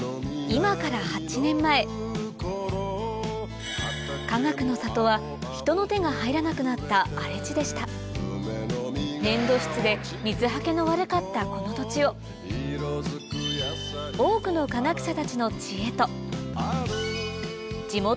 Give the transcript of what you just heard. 今からかがくの里は人の手が入らなくなった荒れ地でした粘土質で水はけの悪かったこの土地を多くので耕し